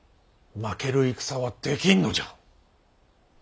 負ける戦はできんのじゃ。